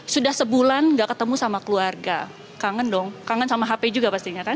sudah sebulan gak ketemu sama keluarga kangen dong kangen sama hp juga pastinya kan